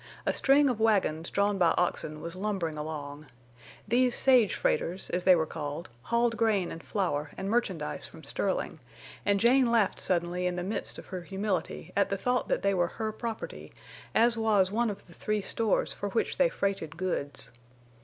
A string of wagons drawn by oxen was lumbering along. These "sage freighters," as they were called, hauled grain and flour and merchandise from Sterling, and Jane laughed suddenly in the midst of her humility at the thought that they were her property, as was one of the three stores for which they freighted goods.